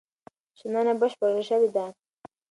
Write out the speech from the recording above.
شننه بشپړه شوې ده.